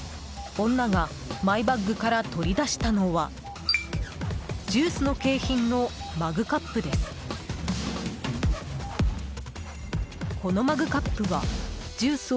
女がマイバッグから取り出したのはジュースの景品のマグカップです。